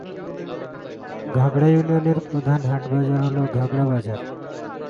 ঘাগড়া ইউনিয়নের প্রধান হাট-বাজার হল ঘাগড়া বাজার।